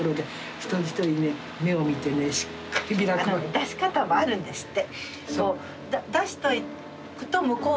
出し方もあるんですって。